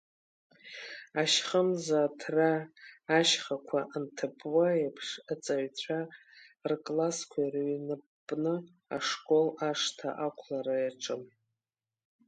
Ашьхымза аҭра ашьхақәа анҭыппуа еиԥш, аҵаҩцәа рыклассқәа ирыҩныппны, ашкол ашҭа ақәлара иаҿын.